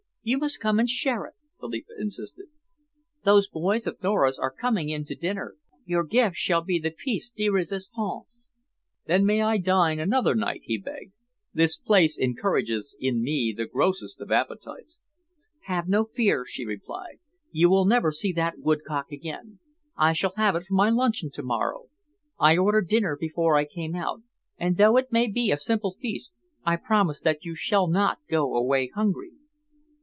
"You must come and share it," Philippa insisted. "Those boys of Nora's are coming in to dinner. Your gift shall be the piece de resistance." "Then may I dine another night?" he begged. "This place encourages in me the grossest of appetites." "Have no fear," she replied. "You will never see that woodcock again. I shall have it for my luncheon to morrow. I ordered dinner before I came out, and though it may be a simple feast, I promise that you shall not go away hungry."